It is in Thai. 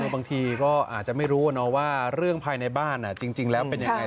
บางทีก็อาจจะไม่รู้ว่าเรื่องภายในบ้านจริงแล้วเป็นยังไง